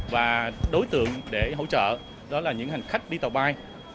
và đối tượng để hỗ trợ đó là những hành khách đi tàu bay